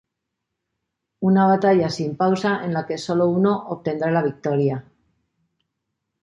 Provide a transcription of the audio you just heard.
Una batalla sin pausa en la que sólo uno obtendrá la victoria.